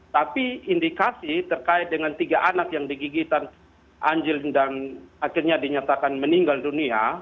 tapi indikasi terkait dengan tiga anak yang digigitan anjil dan akhirnya dinyatakan meninggal dunia